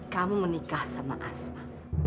kamu menikah sama asma